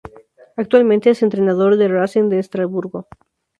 Actualmente es entrenador de Racing de Estrasburgo.